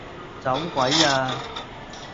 走鬼吖